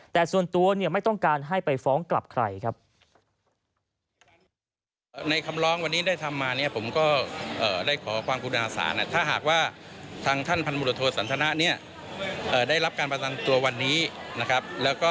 แต่ส่วนตัวไม่ต้องการให้ไปฟ้องกลับใครครับ